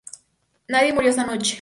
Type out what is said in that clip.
Nadie murió esa noche.